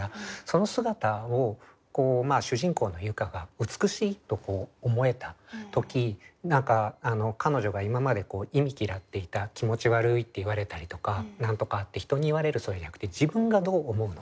その姿を主人公の結佳が美しいと思えた時彼女が今まで忌み嫌っていた「気持ち悪い」って言われたりとか何とかって人に言われるじゃなくて自分がどう思うのか。